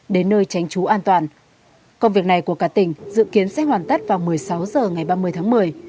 đến nơi tránh trú an toàn công việc này của cả tỉnh dự kiến sẽ hoàn tất vào một mươi sáu h ngày ba mươi tháng một mươi